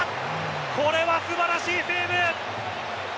これは素晴らしいセーブ！